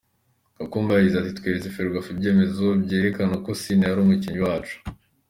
Gakumba yagize ati : “Tweretse Ferwafa ibyemezo byerekana ko Sina yari umukinnyi wacu.